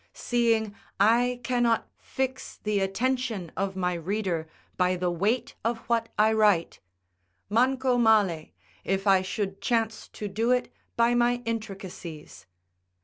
Seeing I cannot fix the attention of my reader by the weight of what I write, 'manco male', if I should chance to do it by my intricacies.